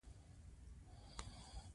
زوی مې وویل، چې مې پسه ما ته قهوه راوړه.